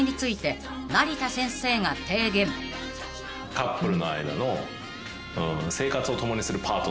カップルの間の生活を共にするパートナーっていう側面。